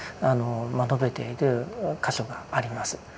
述べている箇所があります。